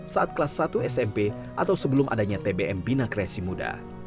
saat kelas satu smp atau sebelum adanya tbm bina kreasi muda